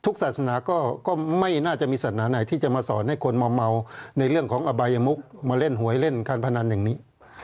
ศาสนาก็ไม่น่าจะมีศาสนาไหนที่จะมาสอนให้คนมาเมาในเรื่องของอบายมุกมาเล่นหวยเล่นการพนันอย่างนี้